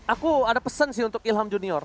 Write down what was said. aku ada pesen sih untuk ilham junior